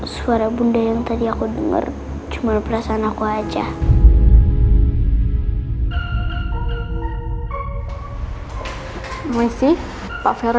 sampai jumpa di video selanjutnya